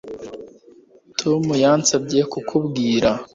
Tom yansabye kukubwira